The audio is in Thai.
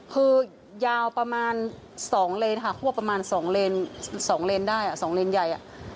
คือยาว๒เลนล์ควบประมาณ๒เลนส์ได้สองเลนส์ใหญ่